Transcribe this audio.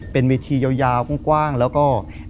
เป็นเวทียาวกว้างแล้วก็